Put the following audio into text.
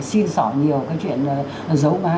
xin sỏ nhiều cái chuyện giấu má